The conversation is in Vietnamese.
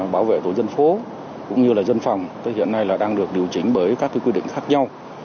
bảo vệ tổ dân phố cũng như là dân phòng hiện nay là đang được điều chỉnh bởi các quy định khác nhau